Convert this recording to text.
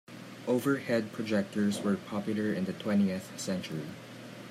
Overhead projectors were popular in the twentieth century.